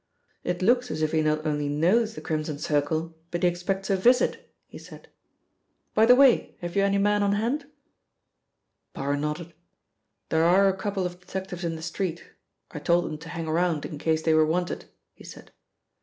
"It looks as if he not only knows the Crimson Circle, but he expects a visit," he said. "By the way, have you any men on hand?" Parr nodded. "There are a couple of detectives in the street; I told them to hang around in case they were wanted," he said.